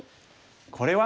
これは。